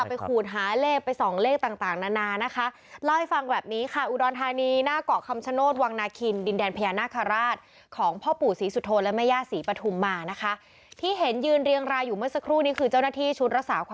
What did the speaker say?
ไปขูดหาเลขไปส่องเลขต่างนานานะคะเล่าให้ฟังแบบนี้ค่ะ